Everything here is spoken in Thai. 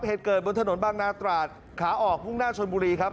เหตุเกิดบนถนนบางนาตราดขาออกมุ่งหน้าชนบุรีครับ